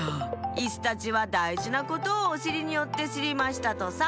イスたちはだいじなことをおしりによってしりましたとさ」。